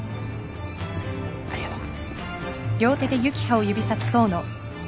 ありがとう。